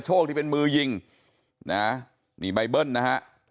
ที่เป็นมือยิงนะนี่ใบเบิ้ลนะฮะ